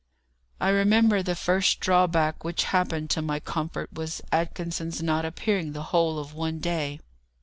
I remember the first drawback which happened to my comfort was Atkinson's not appearing the whole of one day.